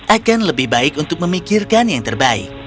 akan lebih baik untuk memikirkan yang terbaik